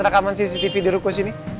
rekaman cctv di rukus ini